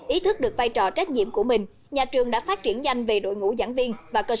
ý thức được vai trò trách nhiệm của mình nhà trường đã phát triển nhanh về đội ngũ giảng viên